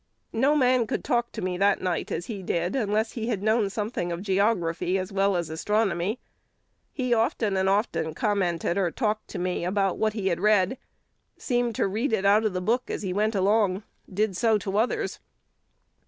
No man could talk to me that night as he did, unless he had known something of geography as well as astronomy. He often and often commented or talked to me about what he had read, seemed to read it out of the book as he went along, did so to others.